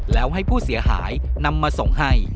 แล้วให้ผู้เสียหายนำมาส่งให้